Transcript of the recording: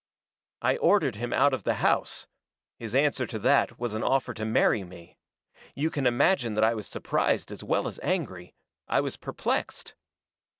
"I ordered him out of the house. His answer to that was an offer to marry me. You can imagine that I was surprised as well as angry I was perplexed.